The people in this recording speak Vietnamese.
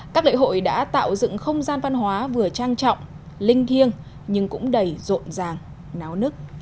các lễ hội đã tạo dựng không gian văn hóa vừa trang trọng linh thiêng nhưng cũng đầy rộn ràng náo nức